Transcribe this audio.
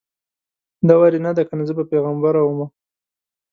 دور یې نه دی کنه زه به پیغمبره ومه